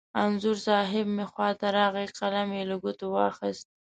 انځور صاحب مې خوا ته راغی، قلم یې له ګوتو واخست.